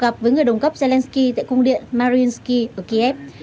và đã gặp với người đồng cấp zelensky tại cung điện mariinsky ở kiev